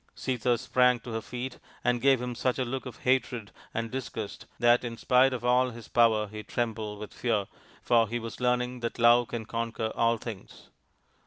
Sita sprang to her feet and gave him such a look of hatred and disgust that in spite of all his power he trembled with fear, for he was learning that love can conquer all things.